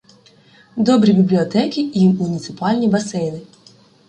Добрі бібліотеки і муніципальні басейни